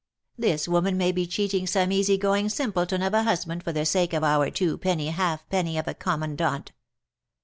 this woman may be cheating some easygoing simpleton of a husband for the sake of our two penny halfpenny of a commandant!